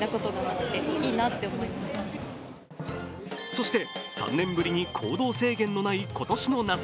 そして、３年ぶりに行動制限のない今年の夏。